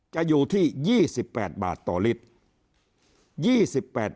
จะอยู่ที่๒๘บาตรต่อฤจภัณฑ์